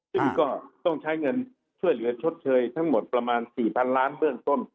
ซึ่งก็ต้องใช้เงินช่วยเหลือชดเชยทั้งหมดประมาณ๔๐๐๐ล้านเบื้องต้น